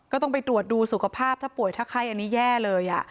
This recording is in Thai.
ก็ต้องไปตรวจดูสุขภาพถ้าป่วยถ้าไข้อันนี้แย่เลย